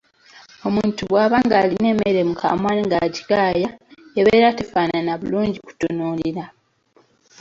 Omuntu bw'aba ng'alina emmere mu kamwa ng'agigaaya, ebeera tefaanana bulungi kutunuulira.